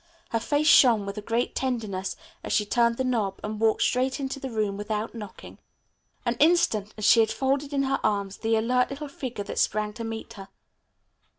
Her face shone with a great tenderness as she turned the knob and walked straight into the room without knocking. An instant and she had folded in her arms the alert little figure that sprang to meet her.